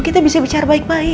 kita bisa bicara baik baik